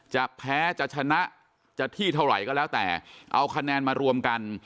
จะแพ้จะชนะจะที่เท่าไหร่ก็แล้วแต่เอาคะแนนมารวมกัน